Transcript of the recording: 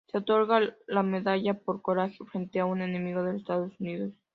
Se otorga la medalla por coraje frente a un enemigo de los Estados Unidos.